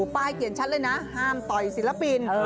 ป้ายเขียนชัดเลยนะห้ามต่อยศิลปิน